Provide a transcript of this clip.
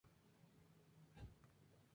Esta obra está cargada de meditaciones fúnebres.